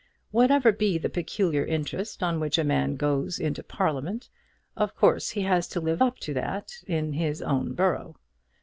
Whatever be the peculiar interest on which a man goes into Parliament, of course he has to live up to that in his own borough.